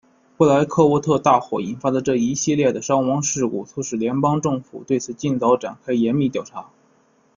布莱克沃特大火引发的这一系列的伤亡事故促使联邦政府对此尽早展开严密调查。